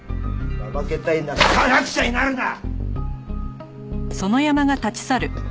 怠けたいなら科学者になるな！